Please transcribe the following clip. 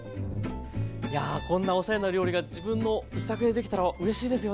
いやこんなおしゃれな料理が自分の自宅でできたらうれしいですよね。